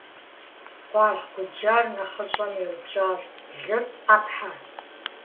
Къуаргъ губжьар нэхъыщӀэм еупщӀащ: - Лы къэпхьа?